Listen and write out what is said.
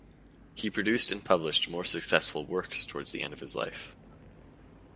He produced and published more successful works towards the end of his life.